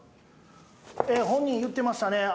本人言ってましたね。